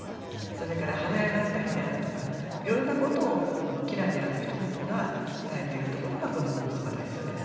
それから晴れ上がった日であるとかいろいろなことをこの「きらきら」のひと言が伝えているところがこの句のすばらしさです。